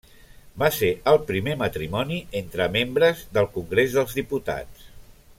Va ser el primer matrimoni entre membres del Congrés dels Diputats.